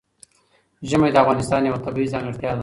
ژمی د افغانستان یوه طبیعي ځانګړتیا ده.